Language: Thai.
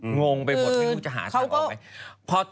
งงไปหมดไม่รู้จะหาทางออกไหม